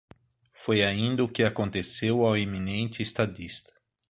Foi ainda o que aconteceu ao eminente estadista.